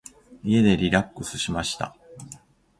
家でリラックスしました。